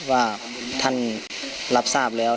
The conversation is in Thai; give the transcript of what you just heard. ว่าท่านรับทราบแล้ว